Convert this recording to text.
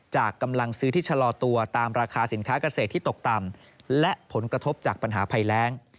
กำลังซื้อที่ชะลอตัวตามราคาสินค้าเกษตรที่ตกต่ำและผลกระทบจากปัญหาภัยแรง